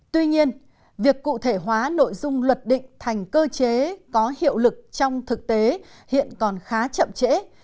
tuy nhiên việc cụ thể hóa nội dung luật định thành cơ chế có hiệu lực trong thực tế hiện còn khá chậm trễ